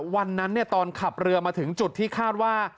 วันนั้นตอนขับเรือมาถึงจุดที่คาดว่า